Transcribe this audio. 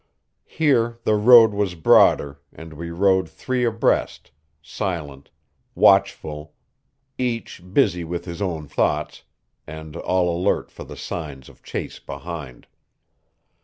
Here the road was broader, and we rode three abreast, silent, watchful, each busy with his own thoughts, and all alert for the signs of chase behind.